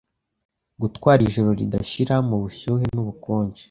Gutwara ijoro ridashira mubushuhe n'ubukonje